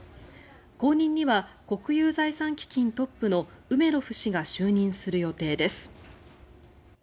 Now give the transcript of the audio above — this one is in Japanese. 後任には国有財産基金トップのウメロフ氏が就任する予定です。